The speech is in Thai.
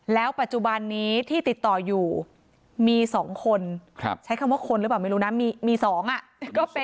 แล้วปัจจุบันนี้ที่ติดต่ออยู่มี๒คนใช้คำว่าคนหรือเปล่าไม่รู้นะมี๒อ่ะก็เป็น